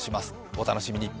お楽しみに。